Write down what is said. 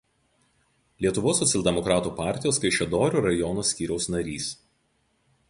Lietuvos socialdemokratų partijos Kaišiadorių rajono skyriaus narys.